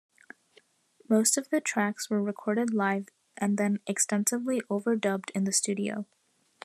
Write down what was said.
Most of the tracks were recorded live and then extensively overdubbed in the studio.